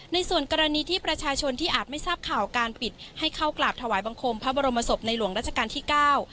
ในส่วนกรณีที่ประชาชนที่อาจไม่ทราบข่าวการปิดให้เข้ากราบถวายบังคมพระบรมศพในหลวงราชการที่เก้า